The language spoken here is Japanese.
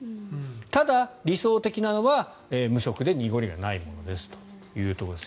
ただ、理想的なのは無色で濁りがないものですということです。